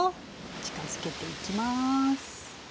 近づけていきます。